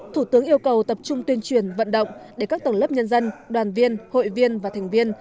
thủ tướng yêu cầu tập trung tuyên truyền vận động để các tầng lớp nhân dân đoàn viên hội viên và thành viên